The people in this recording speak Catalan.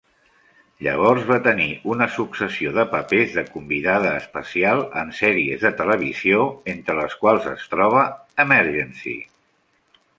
Llavors va tenir una successió de papers de convidada especial en sèries de televisió entre les quals es troba "Emergency!".